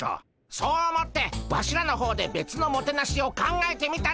そう思ってワシらの方でべつのもてなしを考えてみたでゴンス。